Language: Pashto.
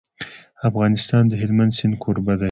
افغانستان د هلمند سیند کوربه دی.